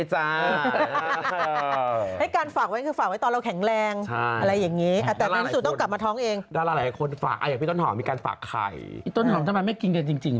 ให้การฝากไว้คือฝากไว้ตอนเราแข็งแรงอะไรอย่างนี้